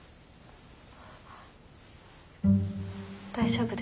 大丈夫です。